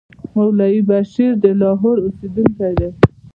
مولوي بشیر د لاهور اوسېدونکی دی.